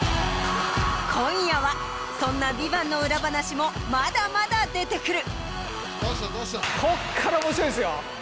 今夜はそんな『ＶＩＶＡＮＴ』の裏話もまだまだ出てくる。